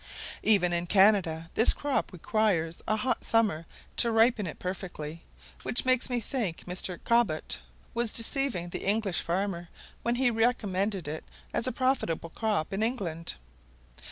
Even in Canada this crop requires a hot summer to ripen it perfectly; which makes me think Mr. Cobbett was deceiving the English farmer when he recommended it as a profitable crop in England.